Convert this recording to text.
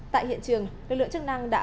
tại hiện trường lực lượng chức năng đã